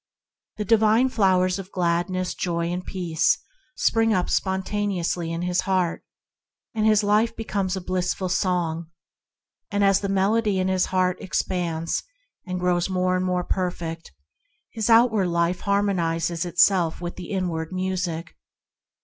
The divine flowers of Gladness, Joy, and Peace spring up spontaneously in his heart, and his life becomes a blissful song. As the melody in his heart expands and grows more and more nearly perfect, his THE FINDING OF A PRINCIPLE 61 outward life harmonizes itself with the inward music.